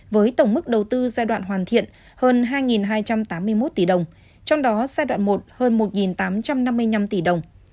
với tổng mức đầu tư giai đoạn hoàn thiện hơn hai hai trăm tám mươi một tỷ đồng trong đó giai đoạn một hơn một tám trăm năm mươi năm tỷ đồng